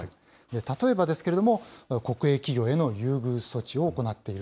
例えばですけれども、国営企業への優遇措置を行っている。